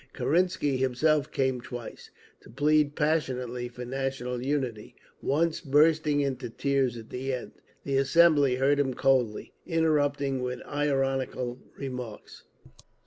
Kerensky himself came twice, to plead passionately for national unity, once bursting into tears at the end. The assembly heard him coldly, interrupting with ironical remarks.